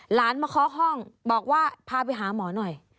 หลานมาเคาะห้องบอกว่าพาไปหาหมอหน่อย